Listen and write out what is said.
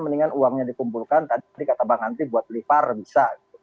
mendingan uangnya dikumpulkan tadi kata bang nanti buat lipar bisa